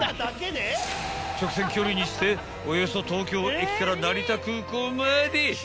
［直線距離にしておよそ東京駅から成田空港まで］